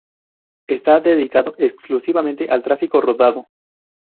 Está dedicado exclusivamente al tráfico rodado.